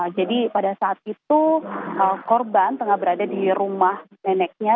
jadi pada saat itu korban tengah berada di rumah neneknya